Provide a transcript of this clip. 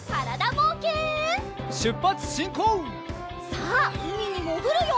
さあうみにもぐるよ！